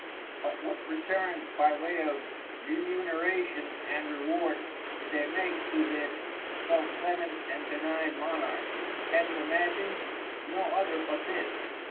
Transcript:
But what returns by way of Remuneration and Reward did they make this so Clement and Benign Monarch, can you imagine, no other but this?